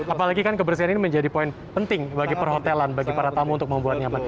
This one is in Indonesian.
apalagi kan kebersihan ini menjadi poin penting bagi perhotelan bagi para tamu untuk membuat nyaman